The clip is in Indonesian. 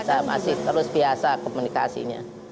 saya masih terus biasa komunikasinya